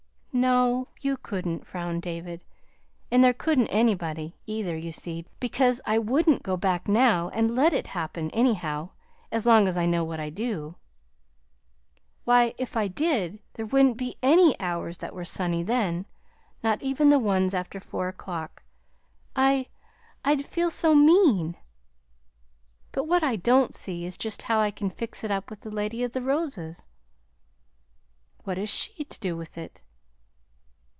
"No, you couldn't," frowned David; "and there couldn't anybody, either, you see, because I wouldn't go back now and LET it happen, anyhow, as long as I know what I do. Why, if I did, there wouldn't be ANY hours that were sunny then not even the ones after four o'clock; I I'd feel so mean! But what I don't see is just how I can fix it up with the Lady of the Roses." "What has she to do with it?"